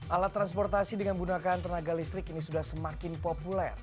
alat transportasi dengan menggunakan tenaga listrik ini sudah semakin populer